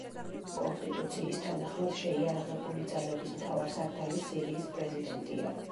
კონსტიტუციის თანახმად შეიარაღებული ძალების მთავარსარდალი სირიის პრეზიდენტია.